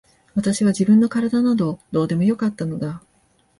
私は自分の体などどうでもよかったのだ。